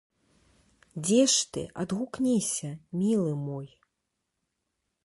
Дзе ж ты, адгукніся, мілы мой.